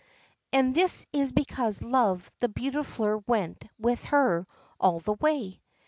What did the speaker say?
And this is because love the beautifier went with her all the way!